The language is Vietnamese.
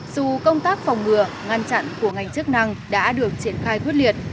dù công tác phòng ngừa ngăn chặn của ngành chức năng đã được triển khai quyết liệt